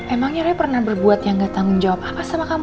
emangnya rey pernah berbuat yang gak tanggung jawab apa sama kamu